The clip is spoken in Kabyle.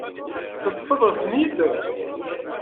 Teṭṭfeḍ-ten-id?